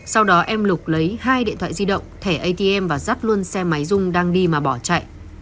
sau đó em lục lấy hai điện thoại di động thẻ atm và rắt luôn xe máy dung đang đi mà bỏ chạy